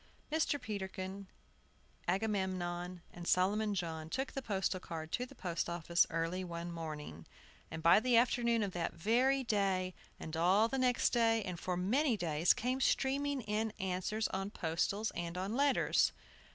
Mr. Peterkin, Agamemnon, and Solomon John took the postal card to the post office early one morning, and by the afternoon of that very day, and all the next day, and for many days, came streaming in answers on postals and on letters.